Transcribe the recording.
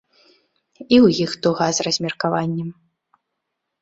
І ў іх туга з размеркаваннем.